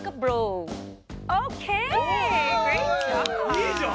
いいじゃん！